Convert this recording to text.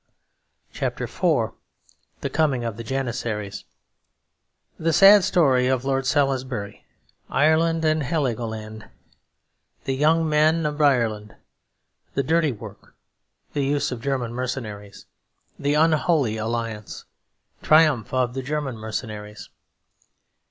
CHAPTER IV THE COMING OF THE JANISSARIES The Sad Story of Lord Salisbury Ireland and Heligoland The Young Men of Ireland The Dirty Work The Use of German Mercenaries The Unholy Alliance Triumph of the German Mercenaries.